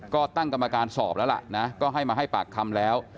ก็ตั้งกรรมการสอบแล้วล่ะนะก็ให้มาให้ปากคำแล้ว